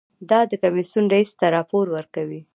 دا د کمیسیون رییس ته راپور ورکوي.